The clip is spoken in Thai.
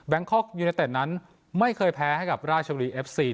คอกยูเนเต็ดนั้นไม่เคยแพ้ให้กับราชบุรีเอฟซี